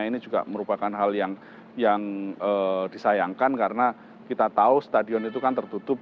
ini juga merupakan hal yang disayangkan karena kita tahu stadion itu kan tertutup